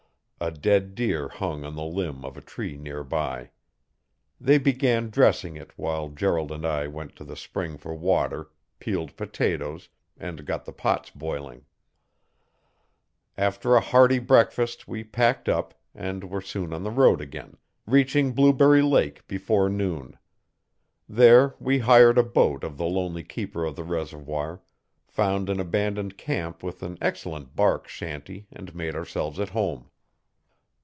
A dead deer hung on the limb of a tree near by. They began dressing it while Gerald and I went to the spring for water, peeled potatoes, and got the pots boiling. After a hearty breakfast we packed up, and were soon on the road again, reaching Blueberry Lake before noon. There we hired a boat of the lonely keeper of the reservoir, found an abandoned camp with an excellent bark shanty and made ourselves at home.